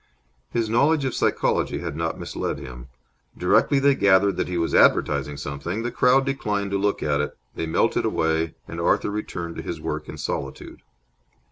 His knowledge of psychology had not misled him. Directly they gathered that he was advertising something, the crowd declined to look at it; they melted away, and Arthur returned to his work in solitude.